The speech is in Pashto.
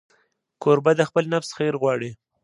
کوربه د خپل نفس خیر غواړي.